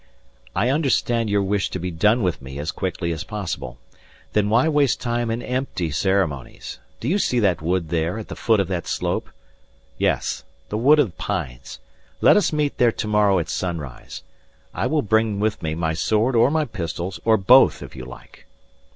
"I understand your wish to be done with me as quickly as possible. Then why waste time in empty ceremonies. Do you see that wood there at the foot of that slope? Yes, the wood of pines. Let us meet there to morrow at sunrise. I will bring with me my sword or my pistols or both if you like."